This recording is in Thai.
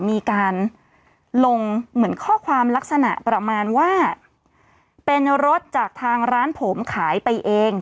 มีการลงเหมือนข้อความลักษณะประมาณว่าเป็นรถจากทางร้านผมขายไปเอง